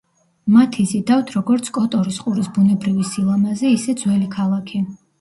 მათ იზიდავთ როგორც კოტორის ყურის ბუნებრივი სილამაზე, ისე ძველი ქალაქი.